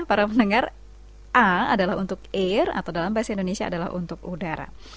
para pendengar a adalah untuk air atau dalam bahasa indonesia adalah untuk udara